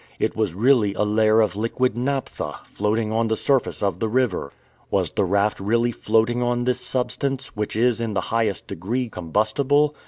It was really a layer of liquid naphtha, floating on the surface of the river! Was the raft really floating on this substance, which is in the highest degree combustible?